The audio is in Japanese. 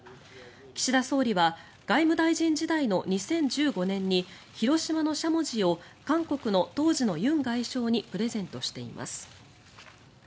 岸田総理は外務大臣時代の２０１５年に広島のしゃもじを韓国の当時の尹外相にプレゼントしています。